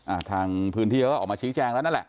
อ่าทางพื้นที่เขาก็ออกมาชี้แจงแล้วนั่นแหละ